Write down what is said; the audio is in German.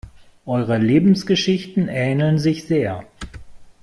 Eure Lebensgeschichten ähneln sich sehr.